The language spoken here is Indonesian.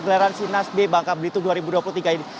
gelaran sinas b bangka belitung dua ribu dua puluh tiga ini